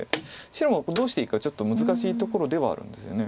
白もどうしていいかちょっと難しいところではあるんですよね。